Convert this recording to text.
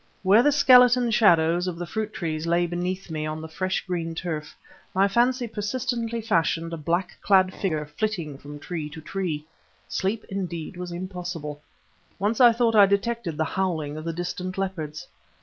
Where the skeleton shadows of the fruit trees lay beneath me on the fresh green turf my fancy persistently fashioned a black clad figure flitting from tree to tree. Sleep indeed was impossible. Once I thought I detected the howling of the distant leopards.